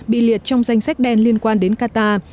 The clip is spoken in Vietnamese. bị liệt trong danh sách đen liên quan đến qatar